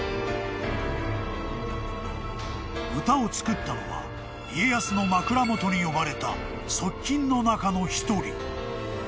［歌を作ったのは家康の枕元に呼ばれた側近の中の一人］